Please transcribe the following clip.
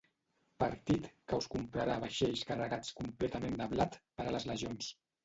Partit que us comprarà vaixells carregats completament de blat per a les legions.